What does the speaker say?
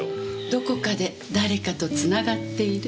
どこかで誰かとつながっている。